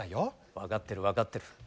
分かってる分かってる。